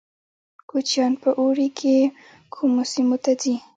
کوچیان په اوړي کې کومو سیمو ته ځي؟